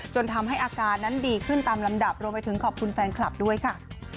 จนทำให้อาการนั้นดีขึ้นตามลำดับรวมไปถึงขอบคุณแฟนคลับด้วยค่ะ